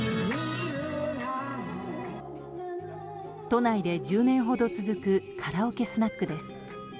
都内で１０年ほど続くカラオケスナックです。